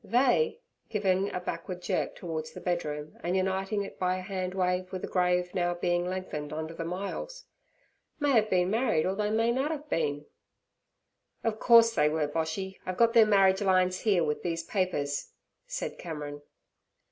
They' (giving a backward jerk towards the bedroom and uniting it by a handwave with a grave now being lengthened under the myalls) 'may 'ave been married or they may nut 'ave been.' 'Of course they were, Boshy. I've got their marriage lines here with these papers' said Cameron.